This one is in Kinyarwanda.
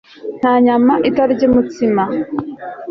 nta nyama itarya umutsima